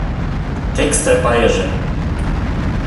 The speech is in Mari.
Тек стряпайыже!